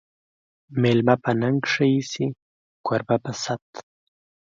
مېلمه په ننګ ښه ایسي، کوربه په صت